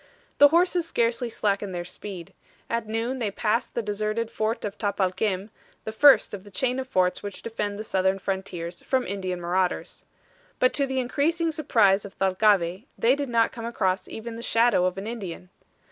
The horses scarcely slackened their speed. At noon they passed the deserted fort of Tapalquem, the first of the chain of forts which defend the southern frontiers from Indian marauders. But to the increasing surprise of Thalcave, they did not come across even the shadow of an Indian.